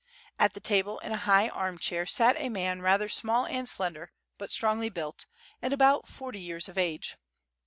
At the table in a high armchair sat a man rather small and slender, but strongly built, and about forty years of age.